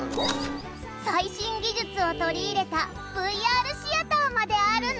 最新技術を取り入れたＶＲシアターまであるの！